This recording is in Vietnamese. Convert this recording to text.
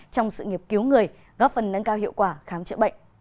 trong sự nghiệp cứu người góp phần nâng cao hiệu quả khám chữa bệnh